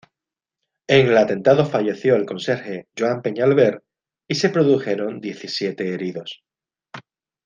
En el atentado falleció el conserje Joan Peñalver y se produjeron diecisiete heridos.